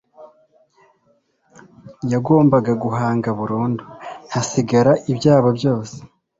yagombaga guhunga burundu, hasigara ibyabo byose